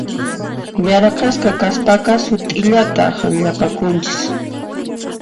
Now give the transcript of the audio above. Yaraqasqa kaspaqa sut'illata hanllapakunchis.